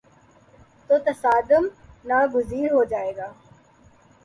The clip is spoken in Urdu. تو تصادم ناگزیر ہو جائے گا۔